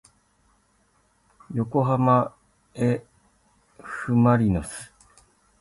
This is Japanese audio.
よこはまえふまりのす